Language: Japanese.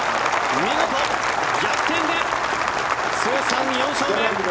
見事、逆転で通算４勝目。